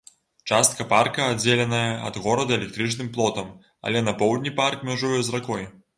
Частка парка аддзеленая ад горада электрычным плотам, але на поўдні парк мяжуе з ракой.